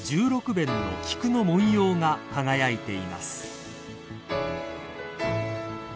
弁の菊の文様が輝いています］